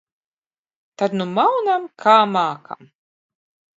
Tad nu maunam, kā mākam.